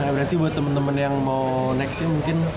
berarti buat temen temen yang mau naik sih mungkin